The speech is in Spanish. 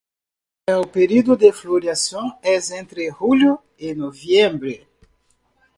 El periodo de floración es entre julio y noviembre.